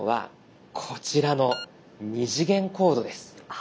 あ。